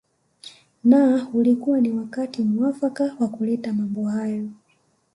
Na ulikuwa ni wakati muafaka wa kuleta mambo hayo